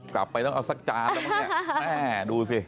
กลับไปต้องเอาสักจานบริเวณแม่ดูสิ